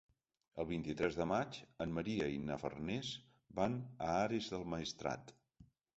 El vint-i-tres de maig en Maria i na Farners van a Ares del Maestrat.